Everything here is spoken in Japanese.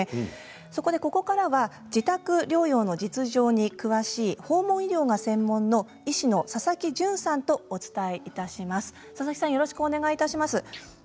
そこで、ここからは自宅療養の実情に詳しい訪問医療が専門の医師の佐々木淳さんとお伝えいたします。